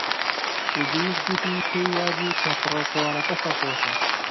ئیدریس گوتی پێی وا بوو کە فڕۆکەوانەکە سەرخۆشە.